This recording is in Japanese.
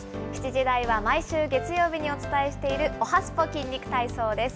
７時台は毎週月曜日にお伝えしているおはＳＰＯ筋肉体操です。